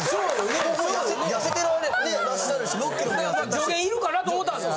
助言いるかな？と思ったんすよ。